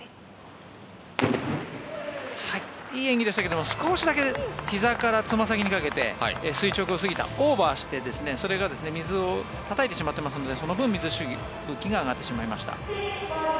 いい演技でしたけど少しだけひざからつま先にかけて垂直すぎたオーバーをしてそれが水をたたいてしまってますのでその分、水しぶきが上がってしまいました。